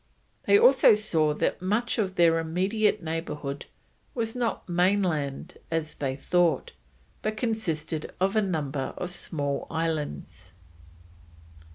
They also saw that much of their immediate neighbourhood was not mainland as they had thought, but consisted of a number of small islands.